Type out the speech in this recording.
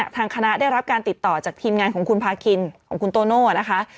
ทางคณะได้รับการติดต่อจากทีมงานของคุณพาคินของคุณโตโน่นะคะ